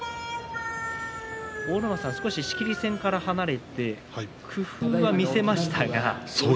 阿武松さん、少し仕切り線から離れて工夫が見られましたが。